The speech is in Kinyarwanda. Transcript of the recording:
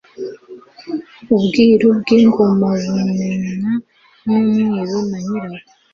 ubwiru bw'ingomabumenywa n'umwiru na nyirayo